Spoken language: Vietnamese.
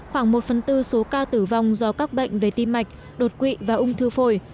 khoảng một phần tư số ca tử vong do các bệnh về tim mạch đột quỵ và ung thư phổi